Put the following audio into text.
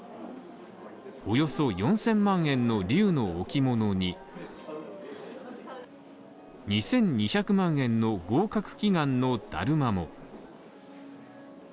およそ４０００万円の竜の置物に２２００万円の合格祈願のだるまも。